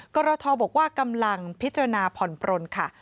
กรทบอกว่ากำลังพิจารณาผ่อนปลนค่ะ